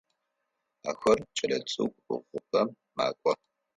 Ахэр кӏэлэцӏыкӏу ӏыгъыпӏэм макӏох.